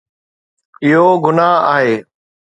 اهو گناهه آهي